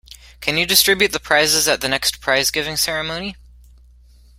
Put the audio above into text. Can you distribute the prizes at the next prize-giving ceremony?